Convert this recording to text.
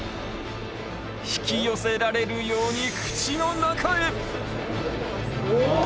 引き寄せられるように口の中へ。